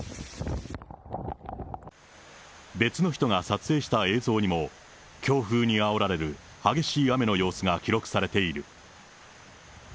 別の人が撮影した映像にも、強風にあおられる激しい雨の様子が記録されている。